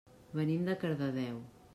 Venim de Cardedeu.